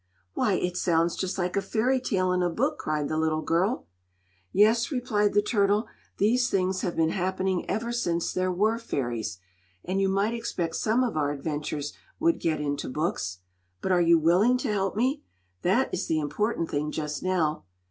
"Why, it sounds just like a fairy tale in a book!" cried the little girl. "Yes," replied the turtle, "these things have been happening ever since there were fairies, and you might expect some of our adventures would get into books. But are you willing to help me? That is the important thing just now."